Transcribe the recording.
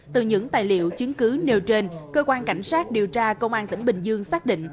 từ những tài liệu chứng cứ nêu trên cơ quan cảnh sát điều tra công an tỉnh bình dương xác định